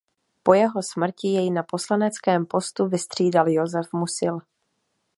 Po jeho smrti jej na poslaneckém postu vystřídal Josef Musil.